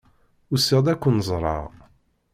Usiɣ-d ad ken-ẓreɣ.